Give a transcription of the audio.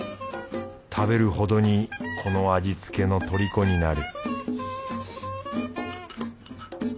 食べるほどにこの味付けのとりこになる